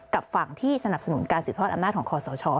กับฝั่งที่สนับสนุนการสืบทอดอำนาจของคอสช